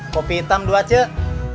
kopi hitam dua cuk